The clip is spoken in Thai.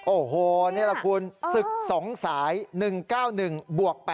โอ้โหนี่แหละคุณศึก๒สาย๑๙๑บวก๘